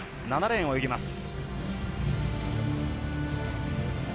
７レーンを泳ぎます。